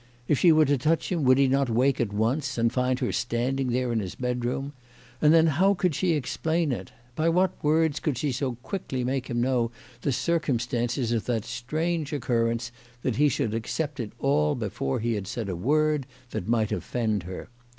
If she were to touch him would he not wake at once, and find her standing there in his bedroom ? And then how could she explain it ? By what words could she so quickly make him know the circumstances of that strange occur rence that he should accept it all before he had said a word that might offend her